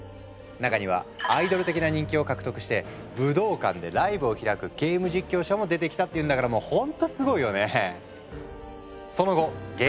中にはアイドル的な人気を獲得して武道館でライブを開くゲーム実況者も出てきたっていうんだからもうほんとすごいよね！